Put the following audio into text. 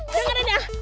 jangan ini ah